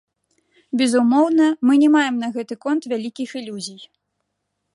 Безумоўна, мы не маем на гэты конт вялікіх ілюзій.